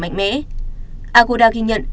mạnh mẽ agoda ghi nhận